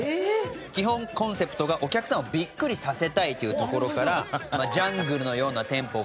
基本コンセプトがお客さんをビックリさせたいというところからジャングルのような店舗があったり。